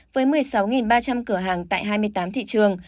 với một mươi sáu ba trăm linh cửa hàng tại hai mươi tám thị trường